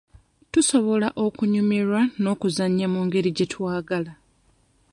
Tusobola okunyumirwa n'okuzannya mu ngeri gye twagala.